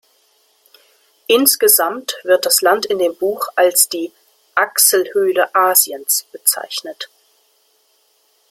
Insgesamt wird das Land in dem Buch als „die Achselhöhle Asiens“ bezeichnet.